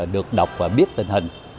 được đọc và biết tình hình